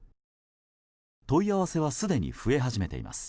問い合わせはすでに増え始めています。